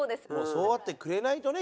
そうあってくれないとね